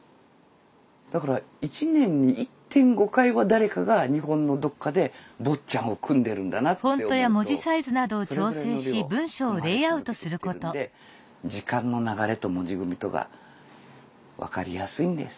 だから１年に１．５回は誰かが日本のどっかで「坊っちゃん」を組んでるんだなって思うとそれぐらいの量組まれ続けてきてるんで時間の流れと文字組みとが分かりやすいんです。